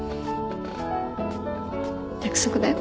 約束だよ。